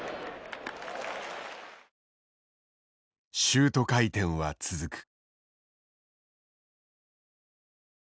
シュート回転は続く。